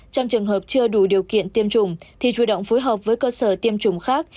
trong trường hợp chưa đủ điều kiện tiêm chủng thì chủ động phối hợp với cơ sở tiêm chủng khác